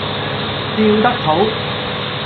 吊得好